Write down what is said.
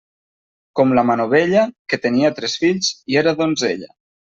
Com la Manovella, que tenia tres fills i era donzella.